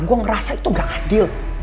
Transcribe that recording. gue ngerasa itu gak adil